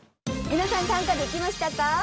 皆さん短歌できましたか？